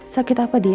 sakit apa dia